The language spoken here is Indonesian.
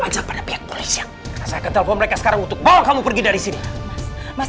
aja pada pihak polisi saya ke telpon mereka sekarang untuk bawa kamu pergi dari sini mas